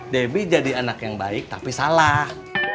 debbie jadi anak yang baik tapi salah